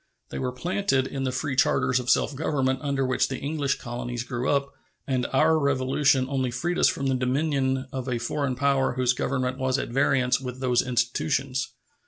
They were planted in the free charters of self government under which the English colonies grew up, and our Revolution only freed us from the dominion of a foreign power whose government was at variance with those institutions.